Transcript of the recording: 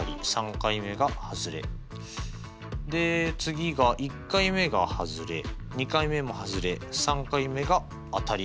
で次が１回目がはずれ２回目もはずれ３回目が当たり。